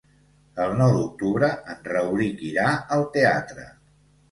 El nou d'octubre en Rauric irà al teatre.